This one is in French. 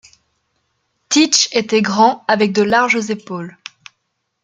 Teach était grand, avec de larges épaules.